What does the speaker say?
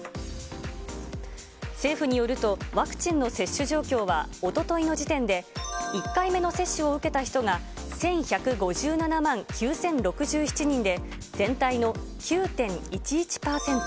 政府によると、ワクチンの接種状況は、おとといの時点で、１回目の接種を受けた人が１１５７万９０６７人で、全体の９．１１％。